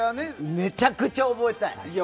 めちゃくちゃ覚えたい。